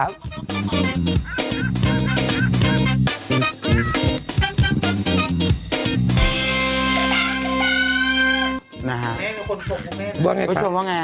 คุณแม่มีคนชมคุณแม่ไปชมว่าไง